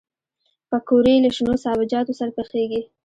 پکورې له شنو سابهجاتو سره پخېږي